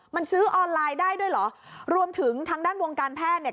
มันซื้อออนไลน์ได้ด้วยเหรอรวมถึงทางด้านวงการแพทย์เนี่ย